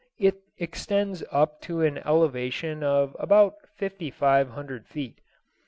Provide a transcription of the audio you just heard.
It extends up to an elevation of about fifty five hundred feet.